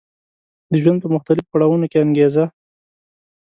د ژوند په مختلفو پړاوونو کې انګېزه